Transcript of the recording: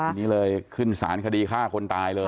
ทีนี้เลยขึ้นสารคดีฆ่าคนตายเลย